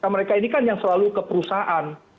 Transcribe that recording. mereka ini kan yang selalu ke perusahaan